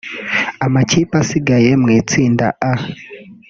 Amakipe asigaye mu itsinda A